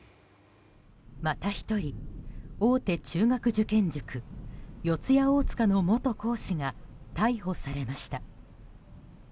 また１人大手中学受験塾四谷大塚の元講師が逮捕されました。